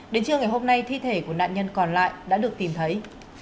đến trưa ngày hôm nay thi thể của nạn nhân còn lại đã được tìm thấy